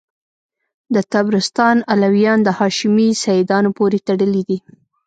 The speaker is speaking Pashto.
د طبرستان علویان د هاشمي سیدانو پوري تړلي دي.